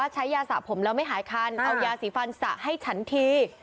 ใช้ยาสระผมแล้วไม่หายคันเอายาสีฟันสระให้ฉันที